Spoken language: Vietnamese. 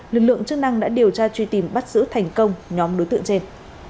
lực lượng chức năng đã điều tra truy tìm bắt giữ thành công nhóm đối tượng trên